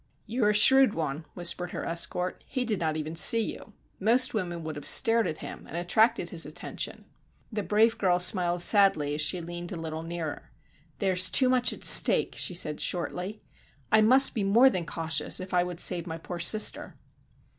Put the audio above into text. "You are a shrewd one," whispered her escort; "he did not even see you. Most women would have stared at him and attracted his attention." The brave girl smiled sadly as she leaned a little nearer. "There is too much at stake," she said shortly. "I must be more than cautious if I would save my poor sister."